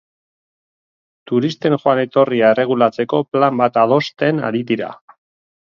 Turisten joan-etorria erregulatzeko plan bat adosten ari dira.